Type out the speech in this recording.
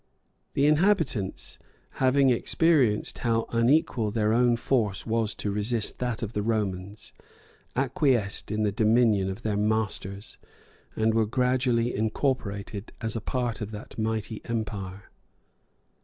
[*][* Tacit. Agr.] The inhabitants, having experienced how unequal their own force was to resist that of the Romans, acquiesced in the dominion of their masters, and were gradually incorporated as a part of that mighty empire.